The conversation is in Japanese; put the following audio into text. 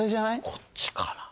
こっちかな？